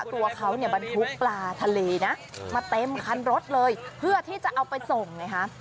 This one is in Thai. ตัวเขาเนี่ยบรรทุกปลาทะเลนะมาเต็มคันรถเลยเพื่อที่จะเอาไปส่งไงฮะ